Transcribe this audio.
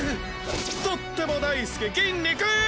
とっても大好き筋肉！